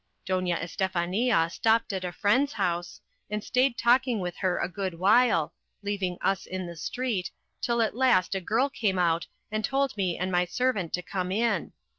Doña Estefania stopped at a friend's house, and stayed talking with her a good while, leaving us in the street, till at last a girl came out and told me and my servant to come in.